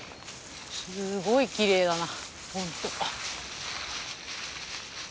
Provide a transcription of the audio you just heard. すごいきれいだな本当。